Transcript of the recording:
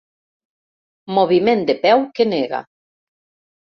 Moviment de peu que nega.